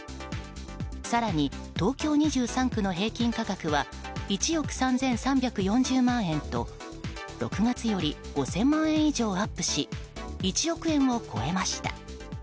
更に東京２３区の平均価格は１億３３４０万円と６月より５０００万円以上アップし１億円を超えました。